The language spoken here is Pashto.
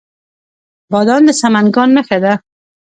بادام د سمنګان نښه ده.